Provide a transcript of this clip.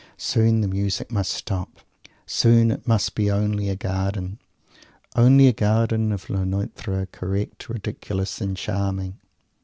Soon the music must stop. Soon it must be only a garden, "only a garden of Lenotre, correct, ridiculous and charming."